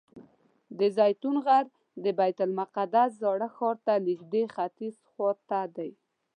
د زیتون غر د بیت المقدس زاړه ښار ته نږدې ختیځ خوا ته دی.